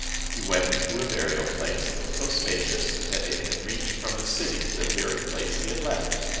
He went into a burial place, so spacious, that it reached from the city to the very place he had left.